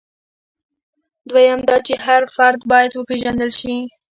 دویم دا چې هر فرد باید وپېژندل شي.